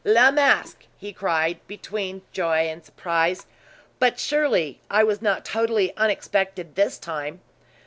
"La Masque!" he cried, between joy and surprise. "But surely, I was not totally unexpected this time?"